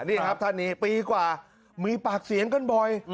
นี่ครับท่านนี้ปีกว่ามีปากเสียงกันบ่อย